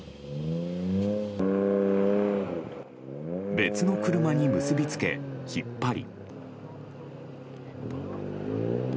別の車に結び付け引っ張り。